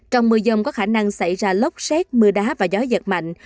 trong mưa dông có khả năng xảy ra lốc xét mưa đá và gió giật mạnh